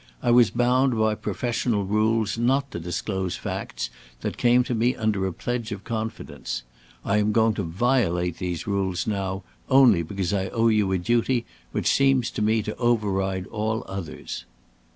I was bound by professional rules not to disclose facts that came to me under a pledge of confidence. I am going to violate these rules now, only because I owe you a duty which seems to me to override all others.